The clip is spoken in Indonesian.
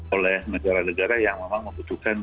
oleh negara negara yang memang membutuhkan